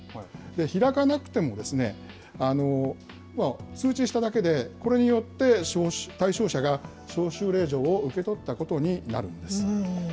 開かなくても、通知しただけで、これによって対象者が招集令状を受け取ったことになるんです。